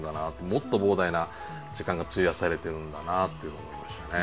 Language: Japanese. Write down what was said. もっと膨大な時間が費やされているんだなっていうのを思いましたね。